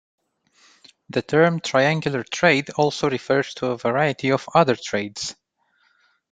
The term "triangular trade" also refers to a variety of other trades.